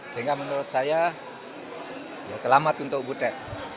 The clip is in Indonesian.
sehingga menurut saya selamat untuk butet